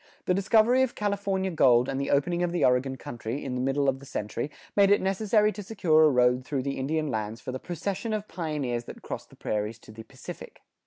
The discovery of California gold and the opening of the Oregon country, in the middle of the century, made it necessary to secure a road through the Indian lands for the procession of pioneers that crossed the prairies to the Pacific.